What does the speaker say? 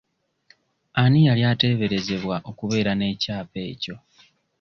Ani yali ateeberezebwa okubeera n'ekyapa ekyo?